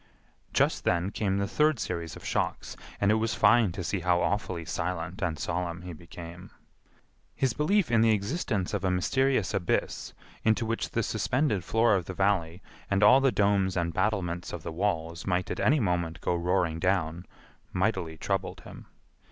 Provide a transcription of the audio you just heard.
Just then came the third series of shocks, and it was fine to see how awfully silent and solemn he became. His belief in the existence of a mysterious abyss, into which the suspended floor of the Valley and all the domes and battlements of the walls might at any moment go roaring down, mightily troubled him.